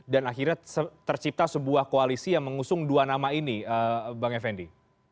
dan akhirnya tercipta sebuah koalisi yang mengusung dua nama ini bang effendi